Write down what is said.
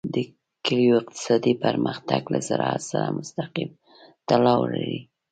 د کلیو اقتصادي پرمختګ له زراعت سره مستقیم تړاو لري.